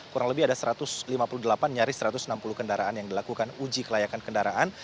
kurang lebih ada satu ratus lima puluh delapan nyaris satu ratus enam puluh kendaraan yang dilakukan uji kelayakan kendaraan